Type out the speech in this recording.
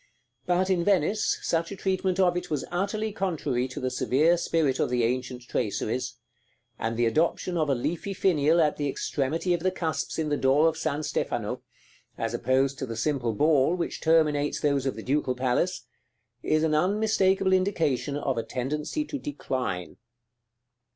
But in Venice, such a treatment of it was utterly contrary to the severe spirit of the ancient traceries; and the adoption of a leafy finial at the extremity of the cusps in the door of San Stefano, as opposed to the simple ball which terminates those of the Ducal Palace, is an unmistakable indication of a tendency to decline.